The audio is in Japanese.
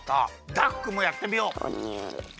ダクくんもやってみよう。